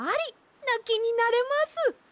なきになれます！